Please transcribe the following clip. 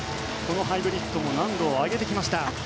ハイブリッドも難度を上げてきました。